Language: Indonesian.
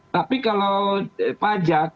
tapi kalau pajak